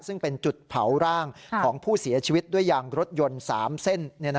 ซึ่งเป็นจุดเผาร่างของผู้เสียชีวิตด้วยยางรถยนต์๓เส้น